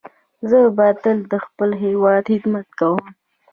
زه به تل د خپل هیواد خدمت کوم.